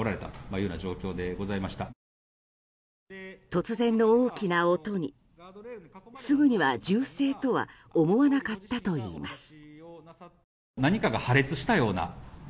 突然の大きな音にすぐには銃声とは思わなかったといいます。